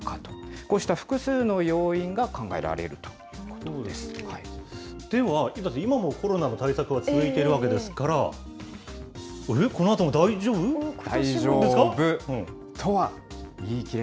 こうした複数の要因が考えられるでは、今もコロナの対策は続いているわけですから、あれ？